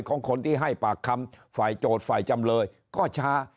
ของคนที่ให้ปากคำฝ่ายโจทย์ฝ่ายจำเลยก็ช้า